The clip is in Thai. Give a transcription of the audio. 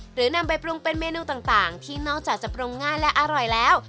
หรือนำไปปรุงเป็นเมนูต่างที่นอกจากจะปรุงง่ายและอร่อยแล้ว